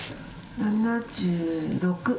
７６。